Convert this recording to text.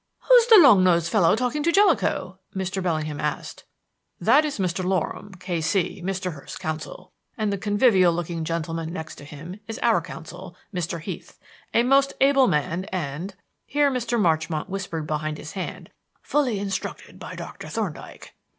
"Who's the long nosed fellow talking to Jellicoe?" Mr. Bellingham asked. "That is Mr. Loram, K.C., Mr. Hurst's counsel; and the convivial looking gentleman next to him is our counsel, Mr. Heath, a most able man and" here Mr. Marchmont whispered behind his hand "fully instructed by Doctor Thorndyke."